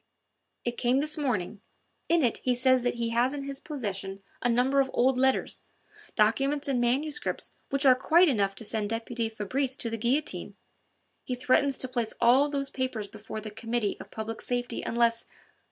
"It came this morning. In it he says that he has in his possession a number of old letters, documents and manuscripts which are quite enough to send deputy Fabrice to the guillotine. He threatens to place all those papers before the Committee of Public Safety unless